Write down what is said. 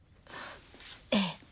ええ。